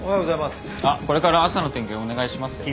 あっこれから朝の点検お願いしますよ。